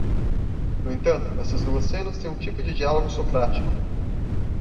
No entanto, essas duas cenas têm um tipo de diálogo socrático.